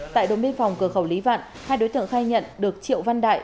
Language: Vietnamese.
tại đồn biên phòng cửa khẩu lý vạn hai đối tượng khai nhận được triệu văn đại